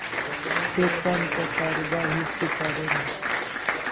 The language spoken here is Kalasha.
Te tan to karubar histi paron